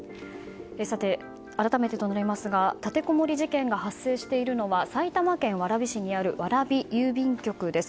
さて、改めてとなりますが立てこもり事件が発生しているのは埼玉県蕨市にある蕨郵便局です。